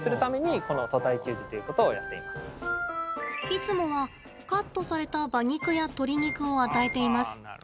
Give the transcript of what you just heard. いつもは、カットされた馬肉や鶏肉を与えています。